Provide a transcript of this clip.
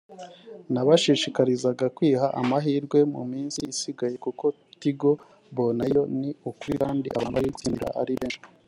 nabashishikariza kwiha amahirwe mu minsi isigaye kuko Tigo Bonane yo ni ukuri kandi abantu bari gutsinda ari benshi